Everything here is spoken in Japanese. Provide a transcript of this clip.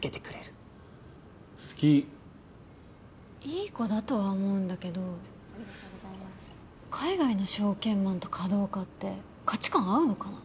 いい子だとは思うんだけど海外の証券マンと華道家って価値観合うのかな。